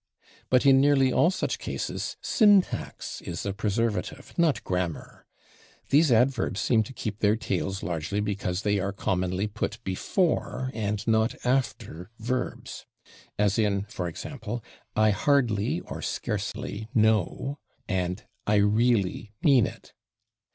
But in nearly all such cases syntax is the preservative, not grammar. These adverbs seem to keep their tails largely because they are commonly put before and not after verbs, as in, for example, "I /hardly/ (or /scarcely/) know," and "I /really/ mean it."